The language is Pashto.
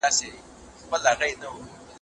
زه کولای سم موبایل کار کړم،